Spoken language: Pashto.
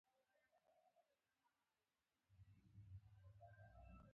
د ټکنالوجۍ پرمختګ د نوو دندو لامل شوی دی.